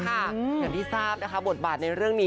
อย่างที่ทราบนะคะบทบาทในเรื่องนี้